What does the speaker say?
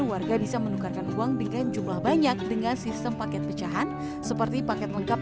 warga bisa menukarkan uang dengan jumlah banyak dengan sistem paket pecahan seperti paket lengkap